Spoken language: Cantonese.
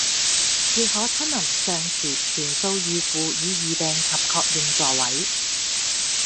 亦可親臨尚廚全數預付以預訂及確認座位